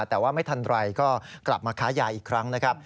แต่ว่าไม่ทันไรก็กลับมาค้ายาอีกครั้งนะครับ